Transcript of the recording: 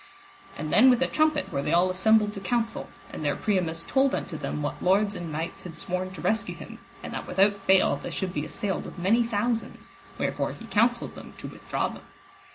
And then with a trumpet were they all assembled to council, and there Priamus told unto them what lords and knights had sworn to rescue him, and that without fail they should be assailed with many thousands, wherefore he counselled them to withdraw them.